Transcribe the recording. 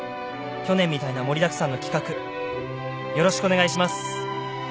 「去年みたいな盛りだくさんの企画よろしくお願いします。